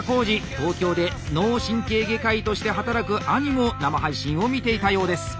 東京で脳神経外科医として働く兄も生配信を見ていたようです。